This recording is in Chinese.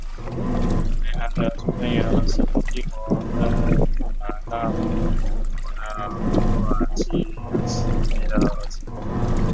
雷兰德出生于俄罗斯帝国芬兰大公国的库尔基约基的儿子。